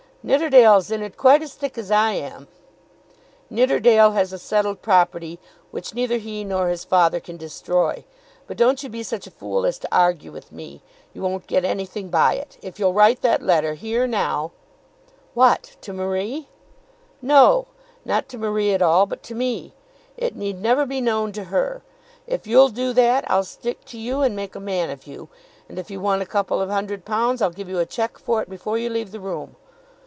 "Nidderdale's in it quite as thick as I am." "Nidderdale has a settled property which neither he nor his father can destroy. But don't you be such a fool as to argue with me. You won't get anything by it. If you'll write that letter here now " "What; to Marie?" "No; not to Marie at all; but to me. It need never be shown to her. If you'll do that I'll stick to you and make a man of you. And if you want a couple of hundred pounds I'll give you a cheque for it before you leave the room.